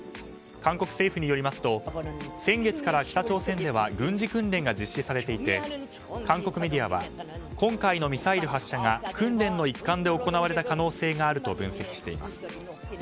韓国政府によりますと先月から北朝鮮では軍事訓練が実施されていて韓国メディアは今回のミサイル発射が訓練の一環で行われた可能性があると分析しています。